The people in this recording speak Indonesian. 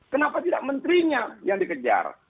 kenapa tidak menterinya yang dikejar